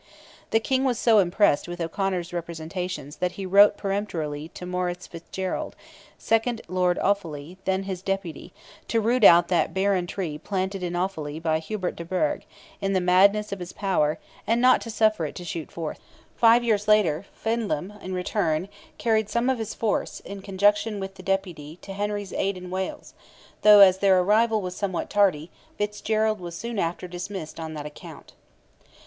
The King was so impressed with O'Conor's representations that he wrote peremptorily to Maurice Fitzgerald, second Lord Offally, then his deputy, "to root out that barren tree planted in Offally by Hubert de Burgh, in the madness of his power, and not to suffer it to shoot forth." Five years later, Feidlim, in return, carried some of his force, in conjunction with the deputy, to Henry's aid in Wales, though, as their arrival was somewhat tardy, Fitzgerald was soon after dismissed on that account.